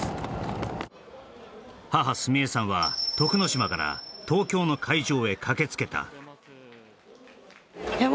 母・住英さんは徳之島から東京の会場へ駆けつけたいや